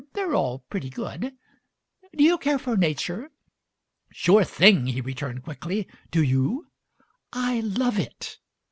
They're all "pretty good. Do you care for Nature?" "Sure thing," he returned quickly. "Do you?" "I love it!"